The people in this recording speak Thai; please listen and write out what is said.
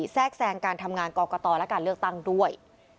แทรกแทรงการทำงานกรกตและการเลือกตั้งด้วย